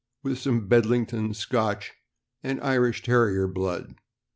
with some Bedlington, Scotch, and Irish Terrier blood.